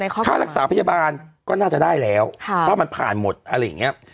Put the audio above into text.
ค่ารักษาพยาบาลก็น่าจะได้แล้วเพราะมันผ่านหมดอะไรอย่างนี้